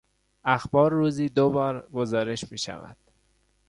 اخبار روزی دوبار گزارش میشود.